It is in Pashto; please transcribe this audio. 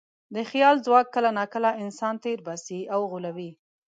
د خیال ځواک کله ناکله انسان تېر باسي او غولوي.